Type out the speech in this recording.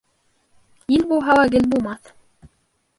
Ил булһа ла гел булмаҫ.